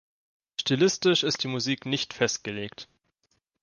Stilistisch ist die Musik nicht festgelegt.